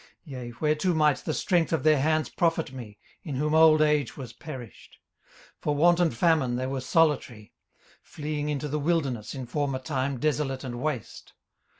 18:030:002 Yea, whereto might the strength of their hands profit me, in whom old age was perished? 18:030:003 For want and famine they were solitary; fleeing into the wilderness in former time desolate and waste.